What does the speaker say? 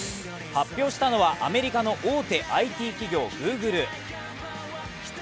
発表したのは、アメリカの大手ＩＴ企業グーグル。